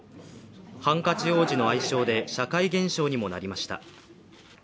ハンカチ王子の愛称で社会現象にもなりました。